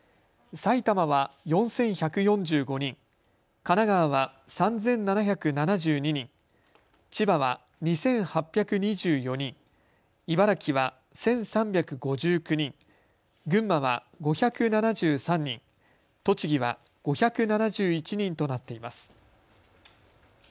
埼玉は４１４５人、神奈川は３７７２人、千葉は２８２４人、茨城は１３５９人、群馬は５７３人、栃木は５７１人となっています。